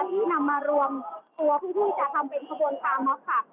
ที่นำมารวมตัวเพื่อที่จะทำเป็นขบวนคาม็อบค่ะ